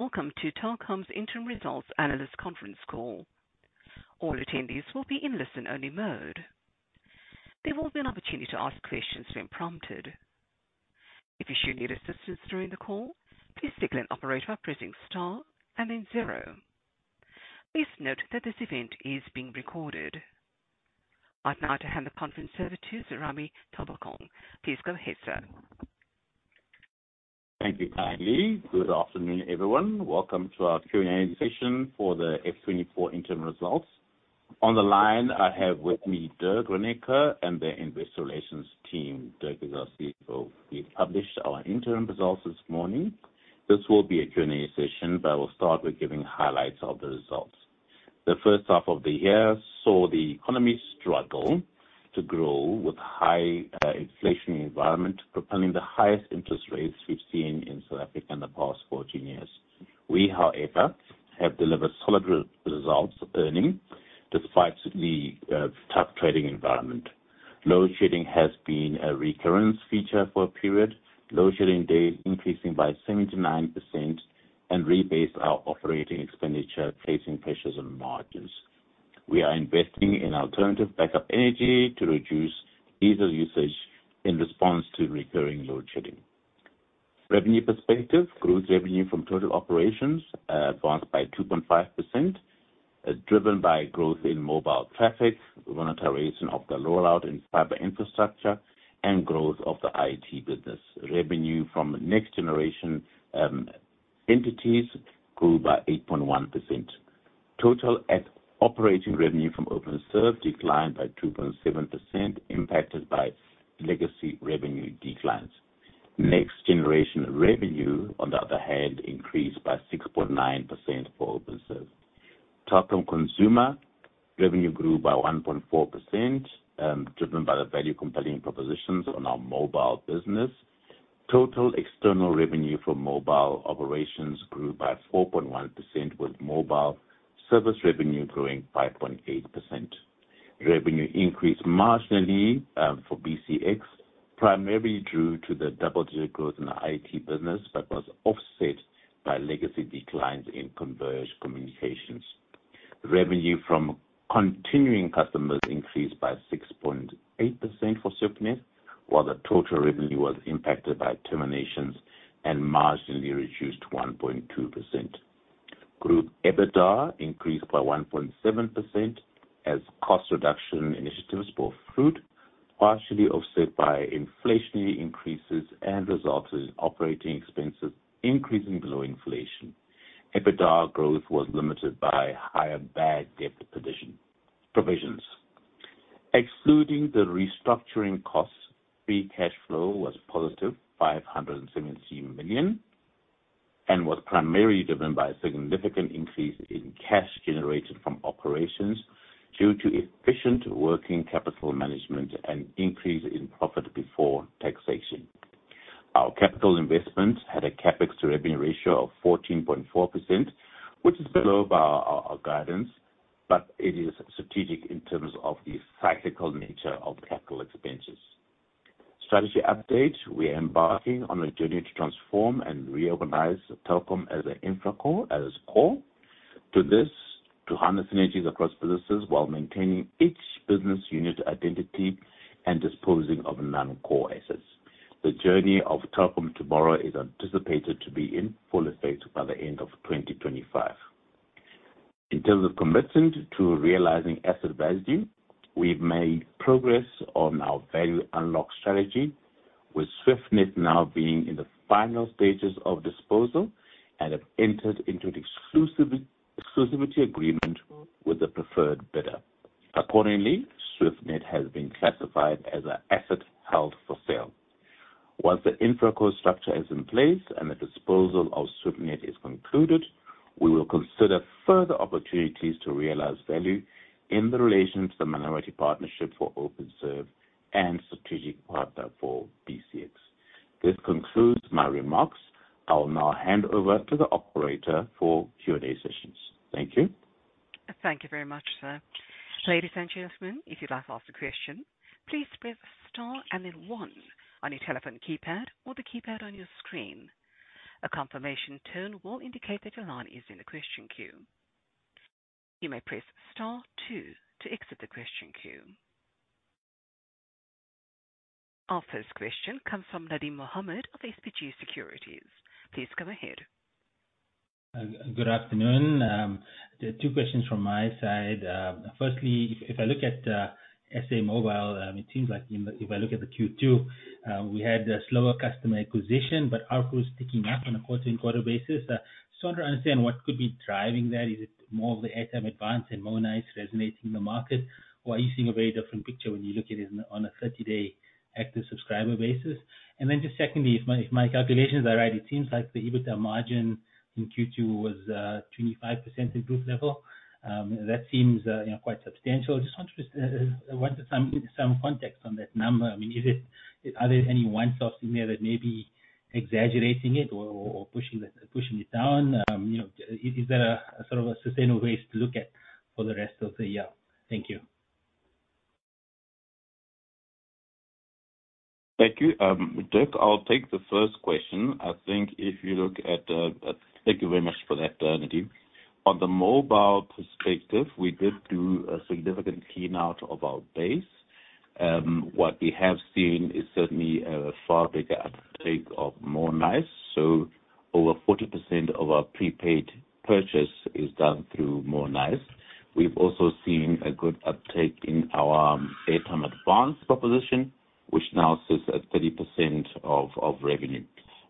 ...Welcome to Telkom's Interim Results Analyst Conference Call. All attendees will be in listen-only mode. There will be an opportunity to ask questions when prompted. If you should need assistance during the call, please signal an operator by pressing star and then zero. Please note that this event is being recorded. I'd now like to hand the conference over to Serame Taukobong. Please go ahead, sir. Thank you, Kylie. Good afternoon, everyone. Welcome to our Q&A session for the FY 2024 interim results. On the line I have with me Dirk Reyneke and the investor relations team. Dirk is our CFO. We published our interim results this morning. This will be a Q&A session, but I will start with giving highlights of the results. The first half of the year saw the economy struggle to grow with high inflation environment, propelling the highest interest rates we've seen in South Africa in the past 14 years. We, however, have delivered solid results, earnings, despite the tough trading environment. Load shedding has been a recurring feature for a period, load shedding days increasing by 79% and rebased our operating expenditure, placing pressures on margins. We are investing in alternative backup energy to reduce diesel usage in response to recurring load shedding. Revenue perspective, group revenue from total operations advanced by 2.5%, driven by growth in mobile traffic, monetization of the rollout in fiber infrastructure, and growth of the IT business. Revenue from next generation entities grew by 8.1%. Total operating revenue from OpenServe declined by 2.7%, impacted by legacy revenue declines. Next generation revenue, on the other hand, increased by 6.9% for OpenServe. Telkom consumer revenue grew by 1.4%, driven by the value compelling propositions on our mobile business. Total external revenue from mobile operations grew by 4.1%, with mobile service revenue growing by 0.8%. Revenue increased marginally for BCX, primarily due to the double-digit growth in the IT business, but was offset by legacy declines in converged communications. Revenue from continuing customers increased by 6.8% for SwiftNet, while the total revenue was impacted by terminations and marginally reduced to 1.2%. Group EBITDA increased by 1.7%, as cost reduction initiatives bore fruit, partially offset by inflationary increases and resulted in operating expenses increasing below inflation. EBITDA growth was limited by higher bad debt provisions. Excluding the restructuring costs, free cash flow was positive 570 million, and was primarily driven by a significant increase in cash generated from operations due to efficient working capital management and increase in profit before taxation. Our capital investments had a CapEx to revenue ratio of 14.4%, which is below our guidance, but it is strategic in terms of the cyclical nature of capital expenses. Strategy update: We are embarking on a journey to transform and reorganize Telkom as an InfraCo, as core. To this, to harness synergies across businesses while maintaining each business unit identity and disposing of non-core assets. The journey of Telkom tomorrow is anticipated to be in full effect by the end of 2025. In terms of commitment to realizing asset value, we've made progress on our value unlock strategy, with SwiftNet now being in the final stages of disposal and have entered into an exclusivity agreement with the preferred bidder. Accordingly, SwiftNet has been classified as an asset held for sale. Once the InfraCo structure is in place and the disposal of SwiftNet is concluded, we will consider further opportunities to realize value in relation to the minority partnership for Openserve and strategic partner for BCX. This concludes my remarks. I will now hand over to the operator for Q&A sessions. Thank you. Thank you very much, sir. Ladies and gentlemen, if you'd like to ask a question, please press star and then one on your telephone keypad or the keypad on your screen. A confirmation tone will indicate that your line is in the question queue. You may press star two to exit the question queue. Our first question comes from Nadim Mohamed of SBG Securities. Please go ahead. Good afternoon. There are two questions from my side. Firstly, if I look at SA Mobile, it seems like, if I look at the Q2, we had a slower customer acquisition, but ARPU is ticking up on a quarter-on-quarter basis. So I want to understand what could be driving that. Is it more of the Airtime Advance and Mo'Nice resonating in the market? Or are you seeing a very different picture when you look at it on a 30-day active subscriber basis? And then just secondly, if my calculations are right, it seems like the EBITDA margin in Q2 was 25% improved level. That seems, you know, quite substantial. Just wondering what some context on that number. I mean, are there any one-offs in there that may be exaggerating it or pushing it down? You know, is there a sort of sustainable way to look at for the rest of the year? Thank you.... Thank you. Dirk, I'll take the first question. I think if you look at, thank you very much for that, Nadim. On the mobile perspective, we did do a significant clean out of our base. What we have seen is certainly a far bigger uptake of Mo'Nice. So over 40% of our prepaid purchase is done through Mo'Nice. We've also seen a good uptake in our Airtime Advance proposition, which now sits at 30% of of revenue.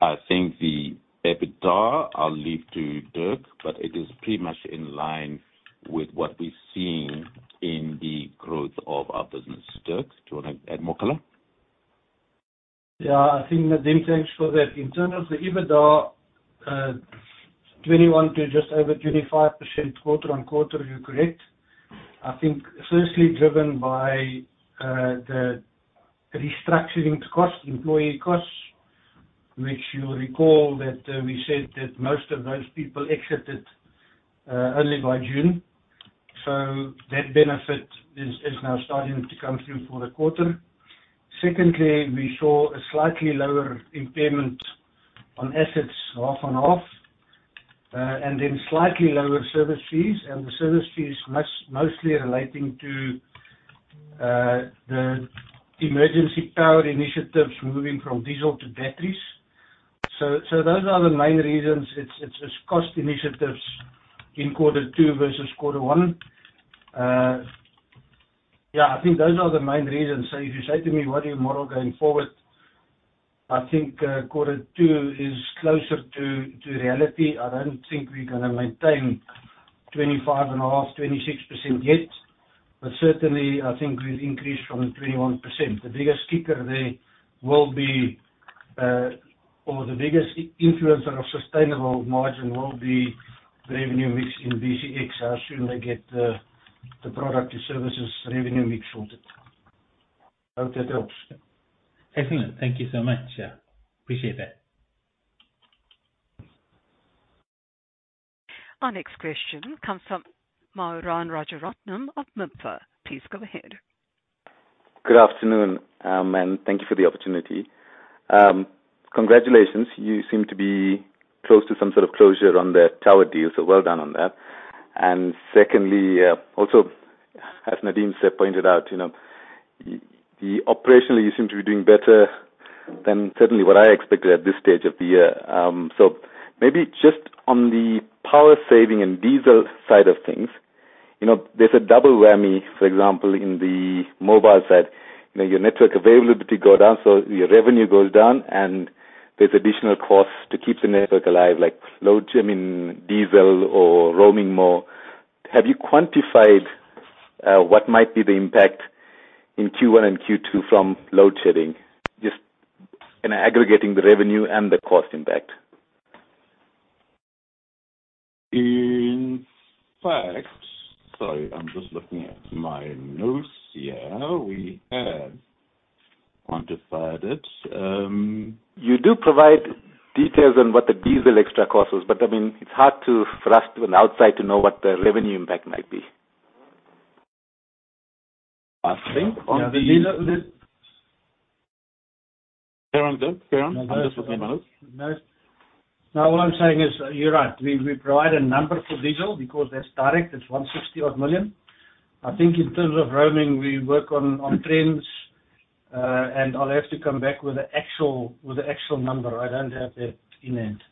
I think the EBITDA, I'll leave to Dirk, but it is pretty much in line with what we're seeing in the growth of our business. Dirk, do you wanna add more color? Yeah, I think, Nadim, thanks for that. In terms of the EBITDA, 21% to just over 25% quarter-over-quarter, you're correct. I think firstly driven by the restructuring costs, employee costs, which you'll recall that we said that most of those people exited only by June. So that benefit is now starting to come through for the quarter. Secondly, we saw a slightly lower impairment on assets, half on half, and then slightly lower service fees, and the service fees mostly relating to the emergency power initiatives moving from diesel to batteries. So so those are the main reasons. It's cost initiatives in quarter two versus quarter one. Yeah, I think those are the main reasons. So if you say to me, what are you model going forward? I think quarter two is closer to to reality. I don't think we're gonna maintain 25.5%-26% yet, but certainly, I think we've increased from 21%. The biggest kicker there will be or the biggest influencer of sustainable margin will be revenue mix in BCX, how soon they get the the product to services revenue mix sorted. Hope that helps. Excellent. Thank you so much. Yeah, appreciate that. Our next question comes from Myuran Rajaratnam of. [inaudible] Please go ahead. Good afternoon, and thank you for the opportunity. Congratulations, you seem to be close to some sort of closure on the tower deal, so well done on that. And secondly, also, as Nadim said, pointed out, you know, operationally you seem to be doing better than certainly what I expected at this stage of the year. So maybe just on the power saving and diesel side of things, you know, there's a double whammy, for example, in the mobile side. You know, your network availability go down, so your revenue goes down, and there's additional costs to keep the network alive, like load shedding and diesel or roaming more. Have you quantified what might be the impact in Q1 and Q2 from load shedding? Just, you know, aggregating the revenue and the cost impact. In fact... Sorry, I'm just looking at my notes here. We have quantified it. You do provide details on what the diesel extra cost is, but, I mean, it's hard to, for us on the outside to know what the revenue impact might be. I think on the diesel- Go on, Dirk. Go on. I'm just looking at notes. Now, all I'm saying is, you're right, we, we provide a number for diesel because that's direct, it's 160-odd million. I think in terms of roaming, we work on, on trends, and I'll have to come back with the actual, with the actual number. I don't have that in hand.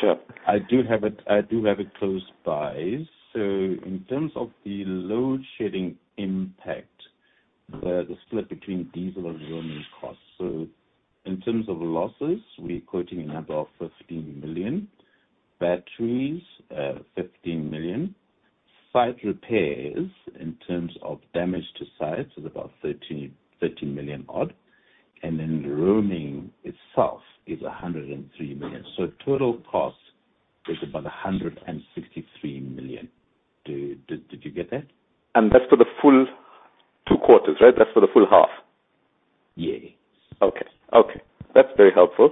Sure. I do have it, I do have it close by. So in terms of the load shedding impact, the split between diesel and roaming costs. So in terms of losses, we're quoting a number of 15 million. Batteries, 15 million. Site repairs, in terms of damage to sites, is about 13 million odd, and then roaming itself is 103 million. So total cost is about 163 million. Did you get that? That's for the full two quarters, right? That's for the full half. Yeah. Okay. Okay, that's very helpful.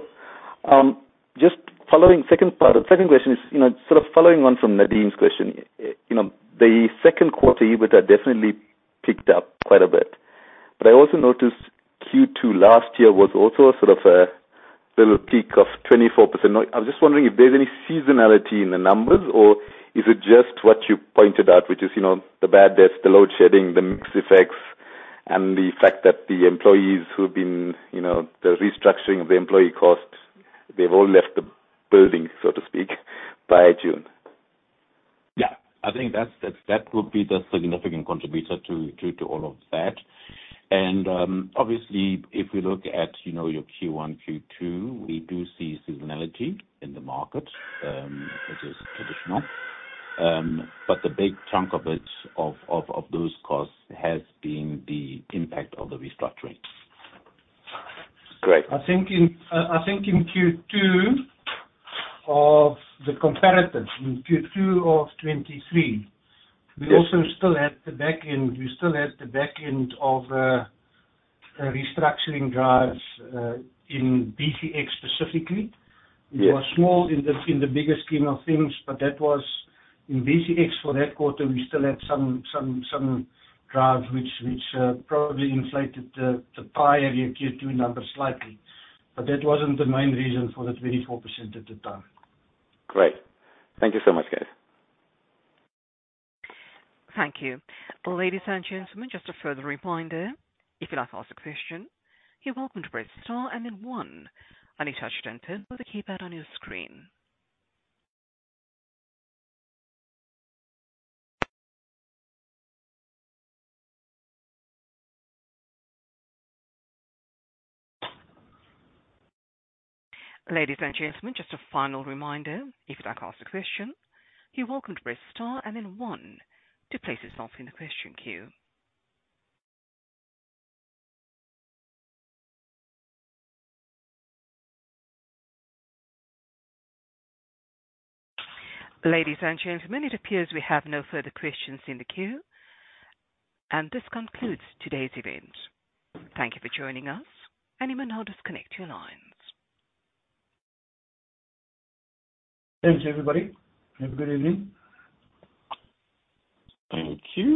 Just following, second part, second question is, you know, sort of following on from Nadim's question. You know, the second quarter EBITDA definitely picked up quite a bit. But I also noticed Q2 last year was also sort of a little peak of 24%. Now, I'm just wondering if there's any seasonality in the numbers, or is it just what you pointed out, which is, you know, the bad debts, the load shedding, the mix effects, and the fact that the employees who've been... You know, the restructuring of the employee costs, they've all left the building, so to speak, by June? Yeah. I think that's that would be the significant contributor to all of that. And, obviously, if we look at, you know, your Q1, Q2, we do see seasonality in the market, which is traditional. But the big chunk of it of of those costs has been the impact of the restructuring. Great. I think I think in Q2 of the comparatives, in Q2 of 2023- Yes. We also still had the back end, we still had the back end of a restructuring drive in BCX specifically. Yes. It was small in the bigger scheme of things, but that was, in BCX for that quarter, we still had some some some drives which which probably inflated the pie and your Q2 numbers slightly. But that wasn't the main reason for the 24% at the time. Great. Thank you so much, guys. Thank you. Ladies and gentlemen, just a further reminder, if you'd like to ask a question, you're welcome to press star and then one on your touch tone or the keypad on your screen. Ladies and gentlemen, just a final reminder, if you'd like to ask a question, you're welcome to press star and then one to place yourself in the question queue. Ladies and gentlemen, it appears we have no further questions in the queue, and this concludes today's event. Thank you for joining us, and you may now disconnect your lines. Thanks, everybody, have a good evening. Thank you.